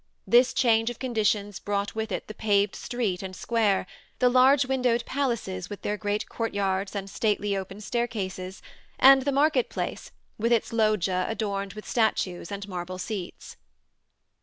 This change of conditions brought with it the paved street and square, the large windowed palaces with their great court yards and stately open staircases, and the market place with its loggia adorned with statues and marble seats.